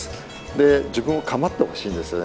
で自分を構ってほしいんですよね